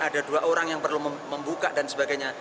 ada dua orang yang perlu membuka dan sebagainya